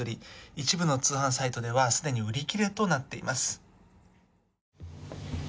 一部の通販サイトではすでに売り切れとなっています。